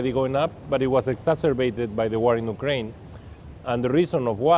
dan mereka juga adalah pengeluaran utama federasi rusia